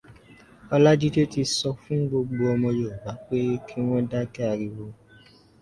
Ọlájídé ti sọ fún gbogbo ọmọ Yorùbá pé kí wọn dákẹ́ ariwo